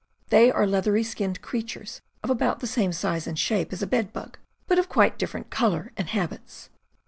They are leathery skinned creatures of about the same size and shape as a bedbug, but of quite different color and habits.